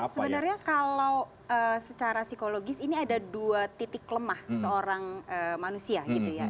sebenarnya kalau secara psikologis ini ada dua titik lemah seorang manusia gitu ya